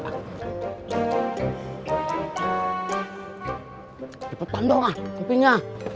kepetan dong lah sepinya